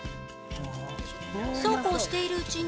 そうこうしているうちに